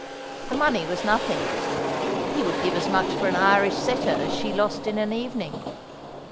The money was nothing. He would give as much for an Irish setter as she lost in an evening.